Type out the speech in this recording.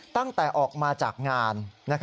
ตั้งแต่ออกมาจากงาน